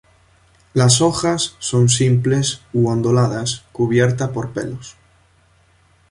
Las hojas son simples u onduladas cubierta por pelos.